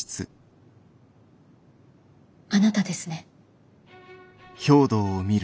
あなたですね？